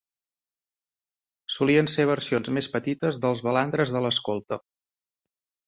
Solien ser versions més petites dels balandres de l"escolta.